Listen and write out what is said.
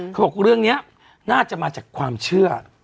เขาบอกเรื่องนี้น่าจะมาจากความเชื่อ